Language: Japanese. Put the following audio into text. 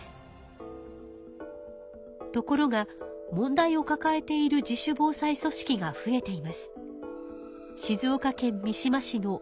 ところが問題をかかえている自主防災組織が増えています。